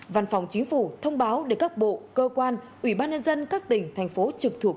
văn phòng chính phủ thông báo để các bộ cơ quan ủy ban nhân dân các tỉnh thành phố trực thuộc